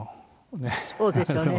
そうですよね。